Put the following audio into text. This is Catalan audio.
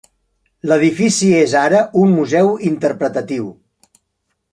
L'edifici és ara un museu interpretatiu.